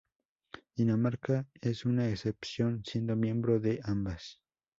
Dinamarca es una excepción, siendo miembro de ambas.